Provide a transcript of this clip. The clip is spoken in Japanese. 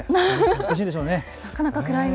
難しいんでしょうね。